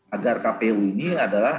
agar kpu ini adalah